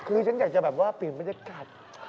คือฉันอยากจะปิ่มบรรยากาศ